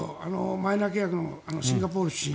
マイナー契約のシンガポール出身。